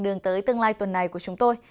đường tới tương lai tuần này của chúng tôi